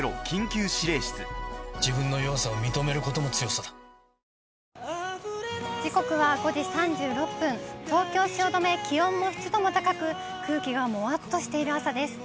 きょうも全国的に晴れる所が時刻は５時３６分、東京・汐留、気温も湿度も高く、空気がもわっとしている朝です。